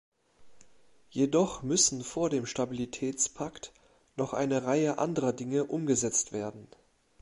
Jedoch müssen vor dem Stabilitätspakt noch eine Reihe anderer Dinge umgesetzt werden.